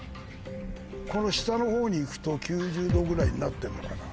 下の方にいくと９０℃ぐらいになってんのかな。